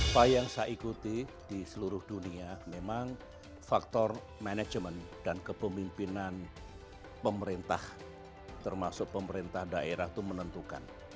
apa yang saya ikuti di seluruh dunia memang faktor manajemen dan kepemimpinan pemerintah termasuk pemerintah daerah itu menentukan